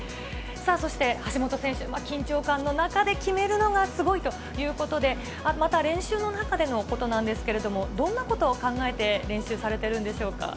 さあそして、橋本選手、緊張感の中で決めるのがすごいということで、また練習の中でのことなんですけれども、どんなことを考えて練習